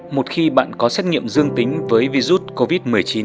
một khi bạn có xét nghiệm dương tính với virus covid một mươi chín